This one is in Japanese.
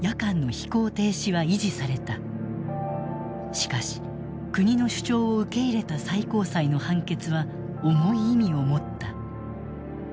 しかし国の主張を受け入れた最高裁の判決は重い意味を持った。